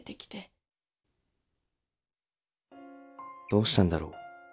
どうしたんだろう？